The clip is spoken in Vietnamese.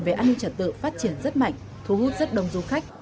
về an ninh trật tự phát triển rất mạnh thu hút rất đông du khách